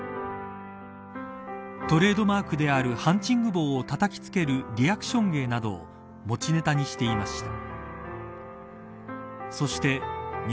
トレードマークであるハンチング帽をたたきつけるリアクション芸などを持ちネタにしていました。